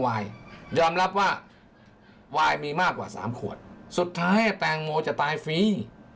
ยอมรับว่าวายมีมากกว่าสามขวดสุดท้ายแตงโมจะตายฟรี